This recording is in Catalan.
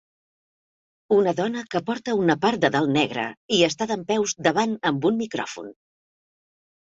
Una dona que porta una part de dalt negra i està dempeus davant amb un micròfon.